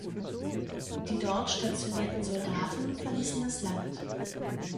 Die dort stationierten Soldaten verließen das Land.